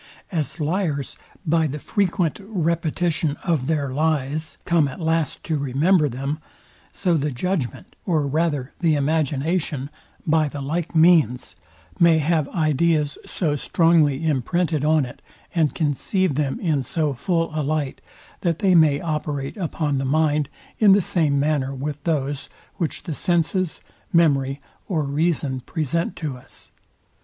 As liars, by the frequent repetition of their lies, come at last to remember them; so the judgment, or rather the imagination, by the like means, may have ideas so strongly imprinted on it, and conceive them in so full a light, that they may operate upon the mind in the same manner with those, which the senses, memory or reason present to us.